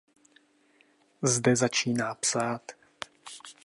Zde začíná psát.